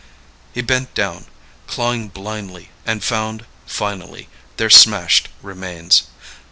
He bent down, clawing blindly and found, finally, their smashed remains.